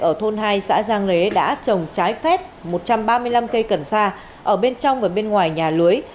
ở thôn hai xã giang lễ đã trồng trái phép một trăm ba mươi năm cây cần sa ở bên trong và bên ngoài nhà lưới